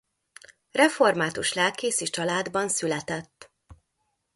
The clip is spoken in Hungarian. Református lelkészi családban született.